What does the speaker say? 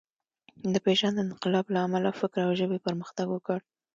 د پېژاند انقلاب له امله فکر او ژبې پرمختګ وکړ.